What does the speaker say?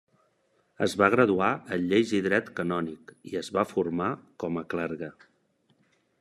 Es va graduar en lleis i dret canònic i es va formar com a clergue.